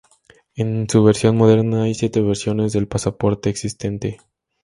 En su versión moderna, hay siete versiones del pasaporte existente.